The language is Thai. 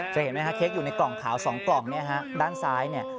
เห็นไหมฮะเค้กอยู่ในกล่องขาว๒กล่องเนี่ยฮะด้านซ้ายเนี่ย